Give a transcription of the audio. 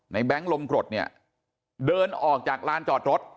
แบงค์ลมกรดเนี่ยเดินออกจากลานจอดรถ